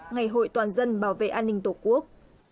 ngày hội toàn dân bảo vệ an ninh tổ quốc